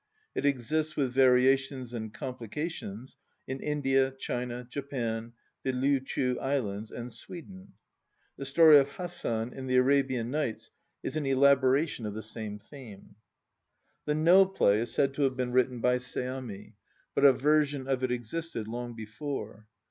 It exists, with variations and complications, in India, China, Japan, the Liu Chiu Islands and Sweden. The story of Hasan in the Arabian Nights is an elaboration of the same theme. The No play is said to have been written by Seami, but a version of it existed long before.